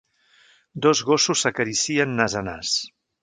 Dos gossos s'acaricien nas a nas.